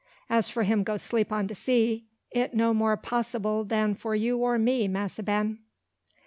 As for him go 'sleep on de sea, it no more possyble dan for you or me, Massa Ben."